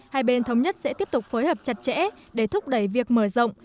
hai bên thống nhất sẽ tiếp tục phối hợp chặt chẽ để thúc đẩy việc mở rộng